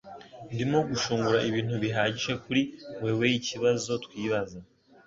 Ndimo gushungura ibintu bihagije kuri weweikibazo twibaza